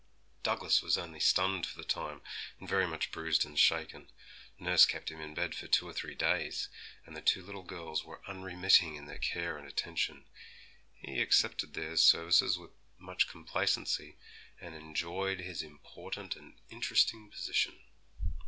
Douglas was only stunned for the time, and very much bruised and shaken. Nurse kept him in bed for two or three days, and the two little girls were unremitting in their care and attention. He accepted their services with much complacency, and enjoyed his important and interesting position.